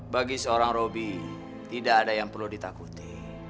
bagi seorang robby tidak ada yang perlu ditakuti